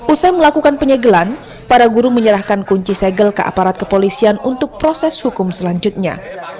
usai melakukan penyegelan para guru menyerahkan kunci segel ke aparat kepolisian untuk proses hukum selanjutnya